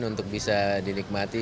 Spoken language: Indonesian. untuk bisa dinikmati